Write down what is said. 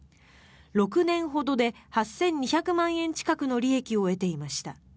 ６年ほどで８２００万円近くの利益を得ていました。